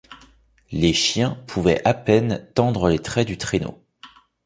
Les chiens pouvaient à peine tendre les traits du traîneau.